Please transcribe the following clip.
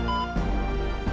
ya allah papa